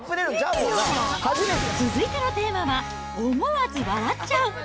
続いてのテーマは、思わず笑っちゃう！